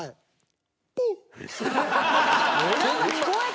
何か聞こえた。